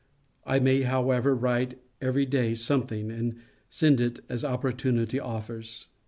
I may, however, write every day something, and send it as opportunity offers.